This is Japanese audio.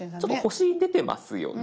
星出てますよね。